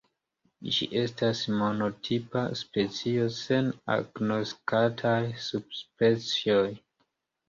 Ĝi estas monotipa specio sen agnoskataj subspecioj.